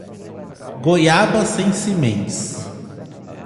Goiaba sem sementes